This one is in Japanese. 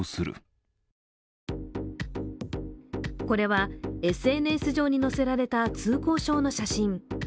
これはＳＮＳ上に載せられた通行証の写真。